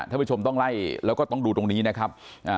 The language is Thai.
ท่านผู้ชมต้องไล่แล้วก็ต้องดูตรงนี้นะครับ